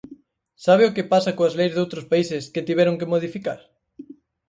¿Sabe o que pasa coas leis doutros países que tiveron que modificar?